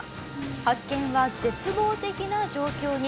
発見は絶望的な状況に。